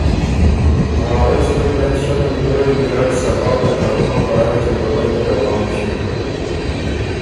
وارث ګه پېنځ شۀ مِلګِرئ ګیرډ صبا ته کړُمه په رایٛ چِنډولئ کی روان ݭیوک۔